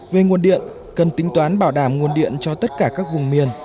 về nguồn điện cần tính toán bảo đảm nguồn điện cho tất cả các vùng miền